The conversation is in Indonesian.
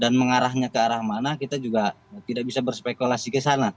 dan mengarahnya ke arah mana kita juga tidak bisa berspekulasi ke sana